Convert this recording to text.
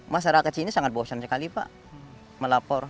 masyarakat sini sangat bosan sekali pak melapor